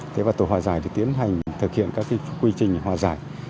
thế và tổ hòa giải thì tiến hành thực hiện các quy trình hòa giải